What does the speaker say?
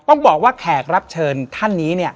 ต้องบอกว่าแขกรับเชิญท่านนี้เนี่ย